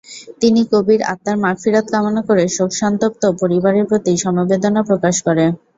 তিনি কবির আত্মার মাগফিরাত কামনা করে শোকসন্তপ্ত পরিবারের প্রতি সমবেদনা প্রকাশ করে।